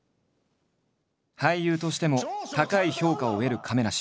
俳優としても高い評価を得る亀梨。